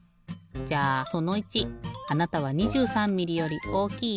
じゃあその１あなたは２３ミリより大きい？